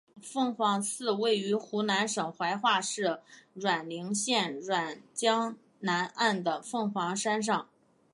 凤凰寺位于湖南省怀化市沅陵县沅江南岸的凤凰山上。